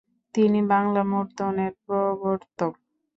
তিনি বাংলা মুদ্রনের প্রবর্তক।